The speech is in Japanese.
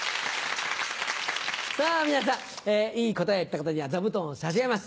さぁ皆さんいい答えを言った方には座布団を差し上げます。